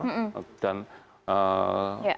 dan karena aktivitas pertumbuhannya ini